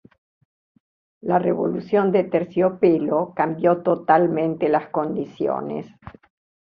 La Revolución de Terciopelo cambió totalmente las condiciones.